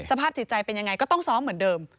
สภาพจิตใจเป็นยังไงก็ต้องซ้อมเหมือนเดิม